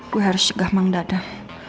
gue harus cegah mang dadah